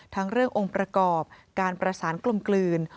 ทั้งเรื่ององค์ประกอบการประสานกลมกลืน